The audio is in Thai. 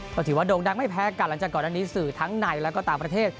ก็ถือว่าโด่งดังไม่แพ้กันหลังจากก่อนอันนี้สื่อทั้งในและก็ต่างประเทศ